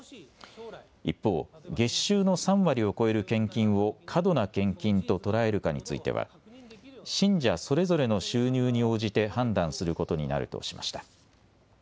一方、月収の３割を超える献金を過度な献金と捉えるかについては信者それぞれの収入に応じて判断することになるとしました。